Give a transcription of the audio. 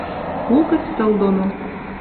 угӹц тыл доно